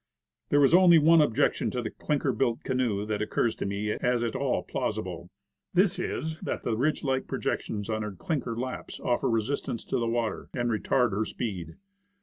There is only one objection to the clinker built canoe that occurs to me as at all plausible. This is, that the ridge like projections of her, clinker laps offer resistance to the water, and retard her speed.